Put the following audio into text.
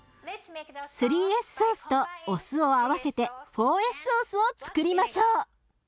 ３Ｓソースとお酢を合わせて４Ｓソースをつくりましょう。